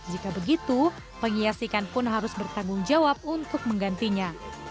jika begitu penghias ikan pun harus bertanggung jawab untuk menggantinya